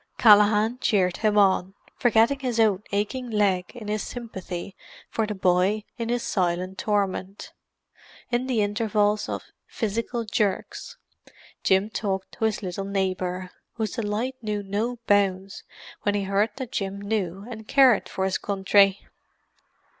Callaghan cheered him on, forgetting his own aching leg in his sympathy for the boy in his silent torment. In the intervals of "physical jerks," Jim talked to his little neighbour, whose delight knew no bounds when he heard that Jim knew and cared for his country.